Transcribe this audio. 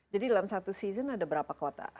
jadi dalam satu season ada berapa kota